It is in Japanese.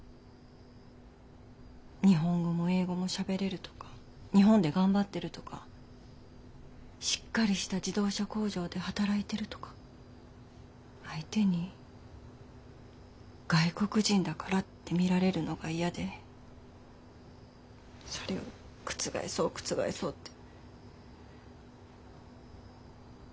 日本語も英語もしゃべれるとか日本で頑張ってるとかしっかりした自動車工場で働いてるとか相手に外国人だからって見られるのが嫌でそれを覆そう覆そうって。